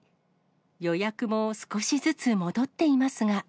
予約も少しずつ戻っていますが。